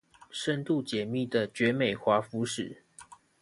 深度解密的絕美華服史